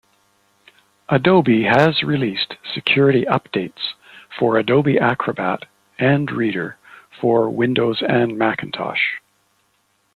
Adobe has released security updates for Adobe Acrobat and Reader for Windows and Macintosh.